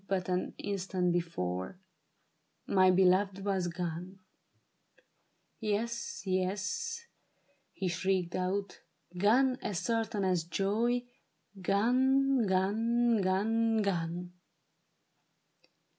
But an instant before) my beloved was gone ! Yes, yes," he shrieked out, " gone as certain as joy — Gone, gone, gone, gone